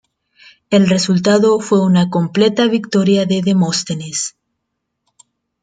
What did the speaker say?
El resultado fue una completa victoria de Demóstenes.